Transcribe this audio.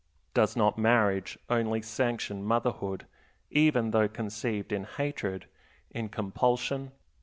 Does not marriage only sanction motherhood, even though conceived in hatred, in compulsion?